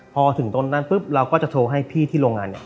พอถึงต้นนั้นปุ๊บเราก็จะโทรให้พี่ที่โรงงานเนี่ย